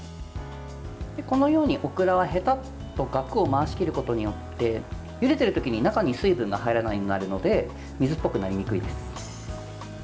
このようにオクラはへたと、がくを回し切ることによってゆでてる時に、中に水分が入らないようになるので水っぽくなりにくいです。